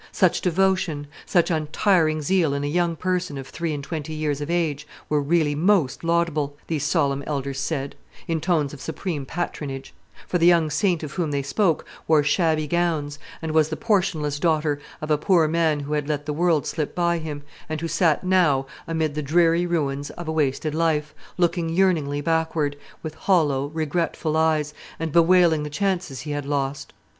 Such devotion, such untiring zeal in a young person of three and twenty years of age, were really most laudable, these solemn elders said, in tones of supreme patronage; for the young saint of whom they spoke wore shabby gowns, and was the portionless daughter of a poor man who had let the world slip by him, and who sat now amid the dreary ruins of a wasted life, looking yearningly backward, with hollow regretful eyes, and bewailing the chances he had lost.